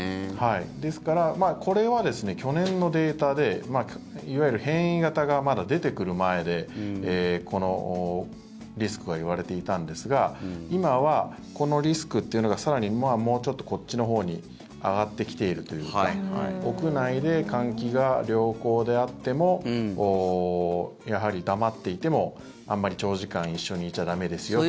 ですからこれは去年のデータでいわゆる変異型がまだ出てくる前でこのリスクがいわれていたんですが今は、このリスクというのが更にもうちょっとこっちのほうに上がってきているというか屋内で換気が良好であってもやはり黙っていてもあんまり長時間一緒にいちゃ駄目ですよと。